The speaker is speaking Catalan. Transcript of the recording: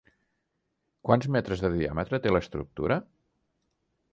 Quants metres de diàmetre té l'estructura?